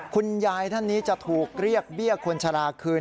คุณยายท่านนี้จะถูกเรียกเบี้ยคนชะลาคืน